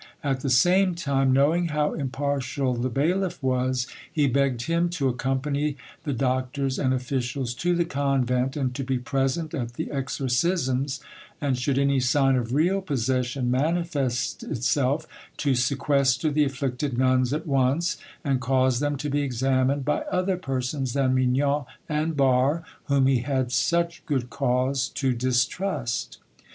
At the same time, knowing how impartial the bailiff was, he begged him to accompany the doctors and officials to the convent, and to be present at the exorcisms, and should any sign of real possession manifest itself, to sequester the afflicted nuns at once, and cause them to be examined by other persons than Mignon and Barre, whom he had such good cause to distrust.